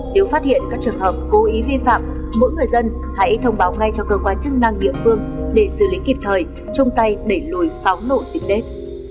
nếu phát hiện các trường hợp cố ý vi phạm mỗi người dân hãy thông báo ngay cho cơ quan chức năng địa phương để xử lý kịp thời chung tay đẩy lùi pháo nổ dịp tết